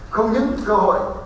không những cơ hội